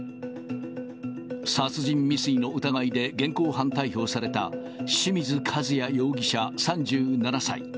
殺人未遂の疑いで現行犯逮捕された清水和也容疑者３７歳。